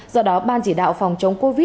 do đó bệnh nhân dương tính đã được cách ly